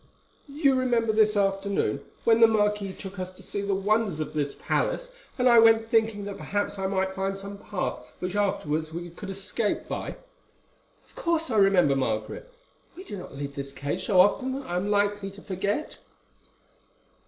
You remember this afternoon, when the marquis took us to see the wonders of this palace, and I went thinking that perhaps I might find some path by which afterwards we could escape?" "Of course I remember, Margaret. We do not leave this cage so often that I am likely to forget."